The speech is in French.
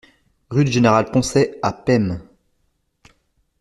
Rue du Général Poncet à Pesmes